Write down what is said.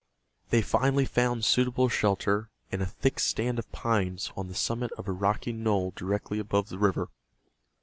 They finally found suitable shelter in a thick stand of pines on the summit of a rocky knoll directly above the river.